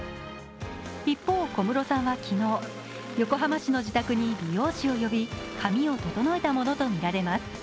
一方、小室さんは昨日、横浜市の自宅に美容師を呼び髪を整えたものとみられます。